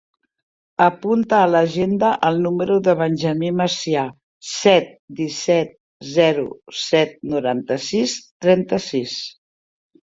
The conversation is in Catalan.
Apunta a l'agenda el número del Benjamín Macia: set, disset, zero, set, noranta-sis, trenta-sis.